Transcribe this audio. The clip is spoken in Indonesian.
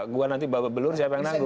gua nanti bawa belur siapa yang nanggung